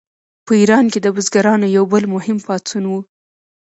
په ایران کې د بزګرانو یو بل مهم پاڅون و.